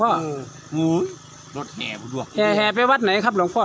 รถแหห่ไปวัดไหนครับหลวงพ่อ